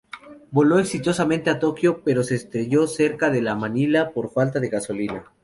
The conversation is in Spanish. Voló exitosamente a Tokio, pero se estrelló cerca de Manila por falta de gasolina.